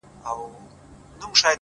ځم ورته را وړم ستوري په لپه كي _